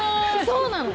そうなの。